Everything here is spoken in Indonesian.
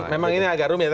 memang ini agak rumit